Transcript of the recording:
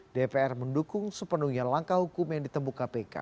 dpr mendukung sepenuhnya langkah hukum yang ditemukan kpk